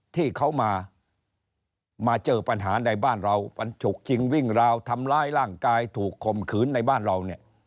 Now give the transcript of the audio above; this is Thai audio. ที่เขามาเจอปัญหาในบ้านเราปันฉุกจริงวิ่งราวทำร้ายร่างกายถูกคมขืนในบ้านเราเนี่ย